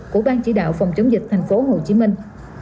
của ban chỉ đạo phòng chống dịch thành phố hồ chí minh